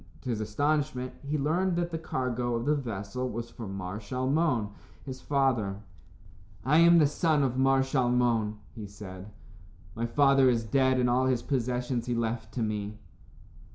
To his astonishment, he learned that the cargo of the vessel was for Mar Shalmon, his father. "I am the son of Mar Shalmon," he said. "My father is dead, and all his possessions he left to me."